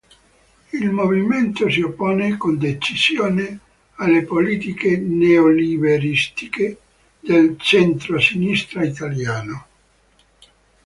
Il movimento si oppone con decisione alle politiche neoliberistiche del centrosinistra italiano.